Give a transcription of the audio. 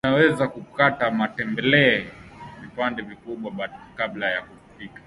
unaweza kukata matembele vipande vikubwa kabla ya kupika